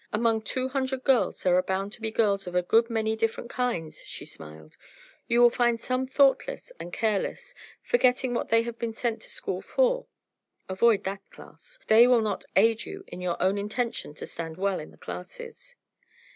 Among two hundred girls there are bound to be girls of a good many different kinds," and she smiled. "You will find some thoughtless and careless forgetting what they have been sent to the school for. Avoid that class. They will not aid you in your own intention to stand well in the classes.